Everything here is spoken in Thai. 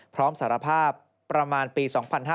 พร้อมสารภาพประมาณปี๒๕๕๙